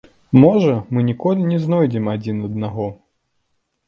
Можа, мы ніколі не знойдзем адзін аднаго.